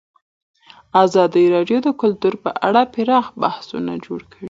ازادي راډیو د کلتور په اړه پراخ بحثونه جوړ کړي.